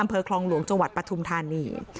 อำเภอคลองหลวงจังหวัดปฐุมธานี